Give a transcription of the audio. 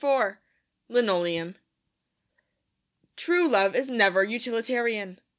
IV LINOLEUM True love is never utilitarian.